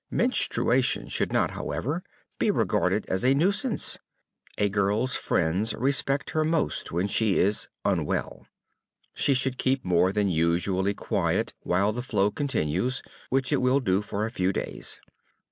Menstruation should not, however, be regarded as a nuisance; a girl's friends respect her most when she is "unwell." She should keep more than usually quiet while the flow continues, which it will do for a few days.